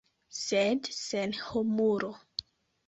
Sed sen humuro.